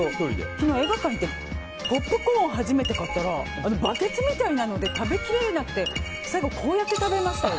昨日、映画館に行ってポップコーンを初めて買ったらバケツみたいなので食べ切れなくて最後、こうやって食べましたよ。